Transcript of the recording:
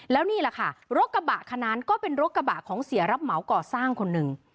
แล้วนี่แหละค่ะรถกระบะคันนั้นก็เป็นรถกระบะของเสียรับเหมาก่อสร้างคนหนึ่ง